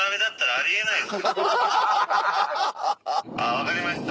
分かりました。